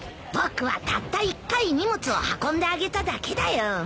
僕はたった一回荷物を運んであげただけだよ。